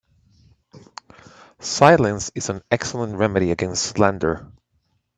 Silence is an excellent remedy against slander.